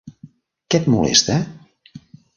Què et molesta?